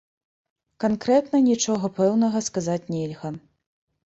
Канкрэтна нічога пэўнага сказаць нельга.